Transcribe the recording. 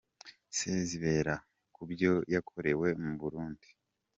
Sezibera ku byo yakorewe mu Burundi.